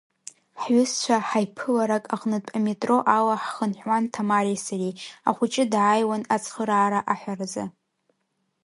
Ҳҩызцәа ҳаиԥыларак аҟнытә аметро ала ҳхынҳәуан Ҭамареи сареи, ахуҷы дааиуан ацхыраара аҳәаразы.